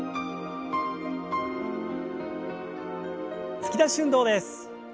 突き出し運動です。